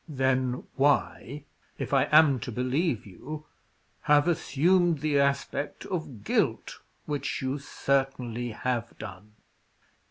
"Then why if I am to believe you have assumed the aspect of guilt, which you certainly have done?"